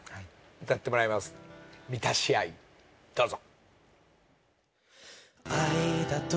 歌ってもらいます『満たし愛』どうぞ。